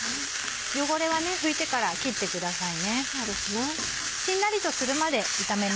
汚れは拭いてから切ってくださいね。